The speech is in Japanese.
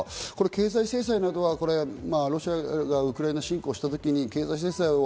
経済制裁などはロシアがウクライナ侵攻したときに経済制裁を